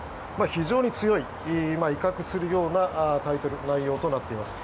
非常に強い威嚇するようなタイトル、内容となっています。